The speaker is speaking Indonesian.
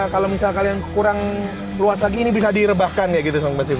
kalo misalnya kalian kurang luas lagi ini bisa direbahkan kayak gitu sambat kebasi v